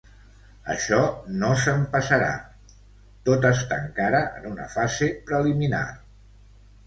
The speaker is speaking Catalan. Això no se'm passarà... Tot està encara en una fase preliminar.